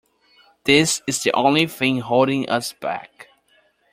This is the only thing holding us back..